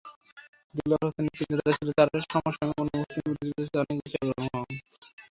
দেলওয়ার হোসেনের চিন্তাধারা ছিল তাঁর সমসাময়িক অন্য মুসলিম বুদ্ধিজীবীদের চেয়ে অনেক বেশি অগ্রগামী।